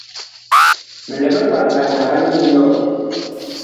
Mi lɛ mivag ngandag anyuu yɔɔ.